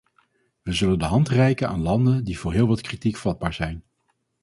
We zullen de hand reiken aan landen die voor heel wat kritiek vatbaar zijn.